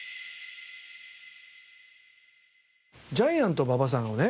ジャイアント馬場さんをね